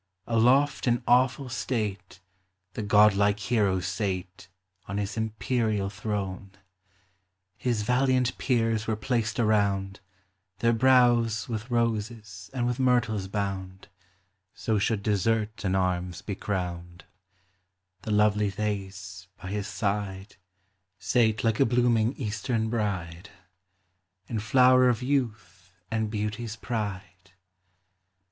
Aloft in awful state The godlike hero sate On his imperial throne : His valiant peers were placed around, Their brows with roses and with myrtles bound (So should desert in arms be crowned); The lovely Thais, by his side, Sate like a blooming Eastern bride In flower of youth and beauty's pride.